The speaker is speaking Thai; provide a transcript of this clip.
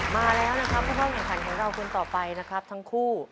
มาแล้วนะครับทุกคนเห็นฐานของเราคืนต่อไปนะครับทั้งคู่